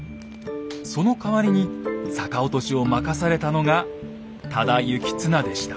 そのかわりに逆落としを任されたのが多田行綱でした。